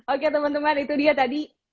oke teman teman itu dia tadi